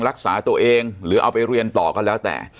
รักษาตัวเองหรือเอาไปเรียนต่อก็แล้วแต่